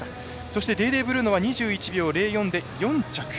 そして、デーデーブルーノは２２秒０４で４着。